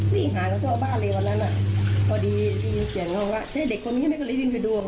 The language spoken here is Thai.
วิ่งหากันทั่วบ้านเลยวันนั้นน่ะพอดีพี่ยินเสียงน้องว่าเช่นเด็กคนนี้ไม่เคยเลยวิ่งไปดูอ่ะ